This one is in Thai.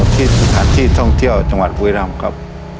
ที่สถานที่ท่องเที่ยวจังหวัดบุรีรำครับ